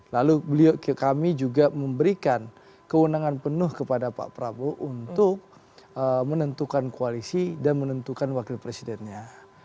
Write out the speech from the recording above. lalu kami juga memberikan kewenangan penuh kepada pak prabowo untuk menentukan koalisi dan menentukan wakil presidennya